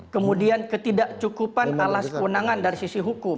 kemudian ketidakcukupan alas kewenangan dari sisi hukum